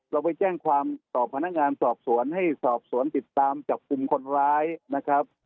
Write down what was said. เราไปแจ้งความต่อพนักงานสอบสวนให้สอบสวนติดตามจับกลุ่มคนร้ายนะครับ